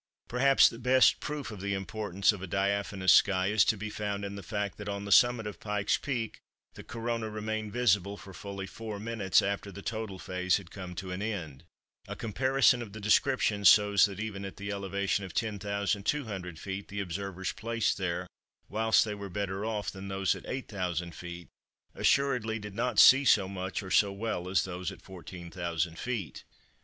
Perhaps the best proof of the importance of a diaphanous sky is to be found in the fact that on the summit of Pike's Peak, the Corona remained visible for fully 4 minutes after the total phase had come to an end. A comparison of the descriptions shows that even at the elevation of 10,200 ft. the observers placed there, whilst they were better off than those at 8000 ft., assuredly did not see so much or so well as those at 14,000 ft.